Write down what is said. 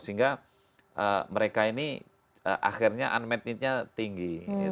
sehingga mereka ini akhirnya unmet neednya tinggi